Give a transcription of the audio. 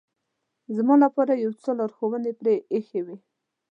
زما لپاره یو څو لارښوونې پرې اېښې وې.